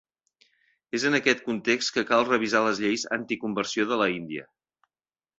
És en aquest context que cal revisar les lleis anticonversió de l'Índia.